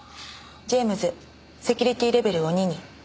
ジェームズセキュリティーレベルを２に。